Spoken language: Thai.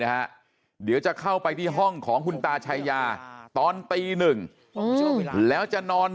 ฮะเดี๋ยวจะเข้าไปที่ห้องของคุณตาชายาตอนตีหนึ่งแล้วจะนอน